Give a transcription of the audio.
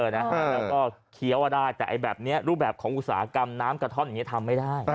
แล้วก็เคี้ยวได้แต่แบบนี้รูปแบบของอุตสาหกรรมน้ำกระท่อนอย่างนี้ทำไม่ได้